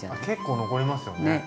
結構残りますよね。